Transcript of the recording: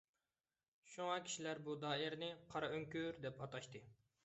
شۇڭا كىشىلەر بۇ دائىرىنى «قارا ئۆڭكۈر» دەپ ئاتاشتى.